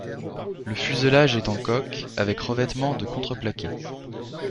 Le fuselage est en coque, avec revêtement de contreplaqué.